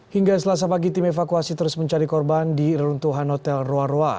hingga selasa pagi tim evakuasi terus mencari korban di reruntuhan hotel roa roa